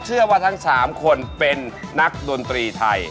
เชื่อว่าทั้ง๓คนเป็นนักดนตรีไทย